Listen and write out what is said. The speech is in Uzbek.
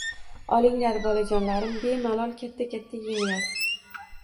Olinglar, bolajonlarim, bemalol katta-katta englar